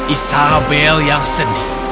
isabel yang sedih